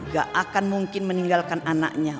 gak akan mungkin meninggalkan anaknya